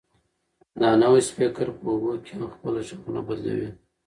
دا نوی سپیکر په اوبو کې هم خپل غږ نه بدلوي.